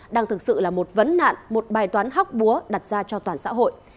đang thực sự là một vấn nạn một bài toán hóc búa đặt ra cho toàn xã hội